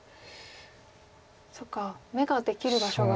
そっか眼ができる場所が。